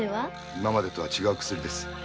今までとは違う薬です。